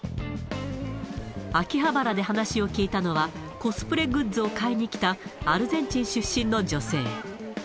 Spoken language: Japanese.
秋葉原で話を聞いたのは、コスプレグッズを買いにきたアルゼンチン出身の女性。